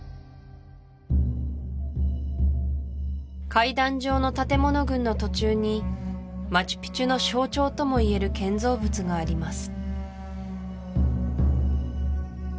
階段状の建物群の途中にマチュピチュの象徴ともいえる建造物があります